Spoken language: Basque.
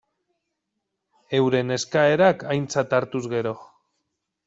Euren eskaerak aintzat hartuz gero.